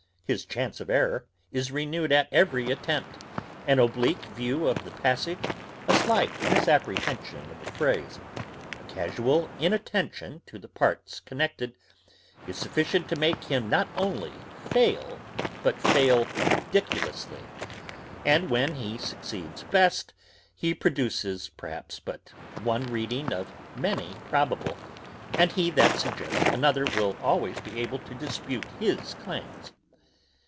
His chance of errour is renewed at every attempt; an oblique view of the passage, a slight misapprehension of a phrase, a casual inattention to the parts connected, is sufficient to make him not only fails, but fail ridiculously; and when he succeeds best, he produces perhaps but one reading of many probable, and he that suggests another will always be able to dispute his claims.